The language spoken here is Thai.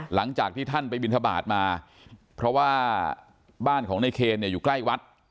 หลังจากที่ท่านไปบินทบาทมาเพราะว่าบ้านของในเคนเนี่ยอยู่ใกล้วัด